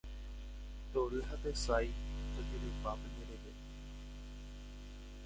Tory ha tesãi tojerepa penderehe.